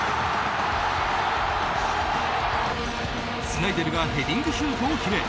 スナイデルがヘディングシュートを決め